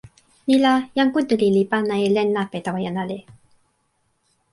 ni la, jan Kuntuli li pana e len lape tawa jan ale.